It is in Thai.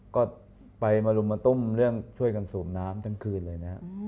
ก็ไปมารุมต้มเรื่องช่วยกันสูงน้ำทั้งคืน